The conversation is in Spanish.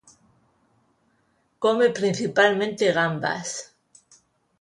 Come principalmente gambas.